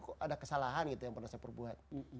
kok ada kesalahan gitu yang pernah saya perbuat